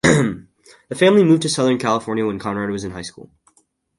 The family moved to Southern California when Conrad was in high school.